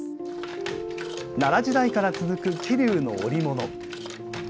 奈良時代から続く、桐生の織物。